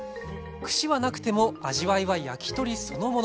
串はなくても味わいは焼き鳥そのもの。